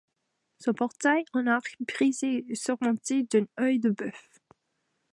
Son portail en arc brisé est surmonté d'un œil-de-bœuf.